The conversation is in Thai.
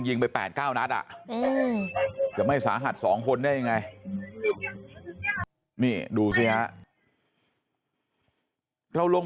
ไป๘๙นัดอ่ะจะไม่สาหัส๒คนได้ยังไงนี่ดูสิฮะเราลง